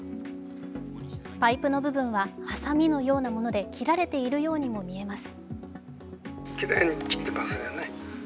パイプの部分は、はさみのようなもので切られているようにも見えます。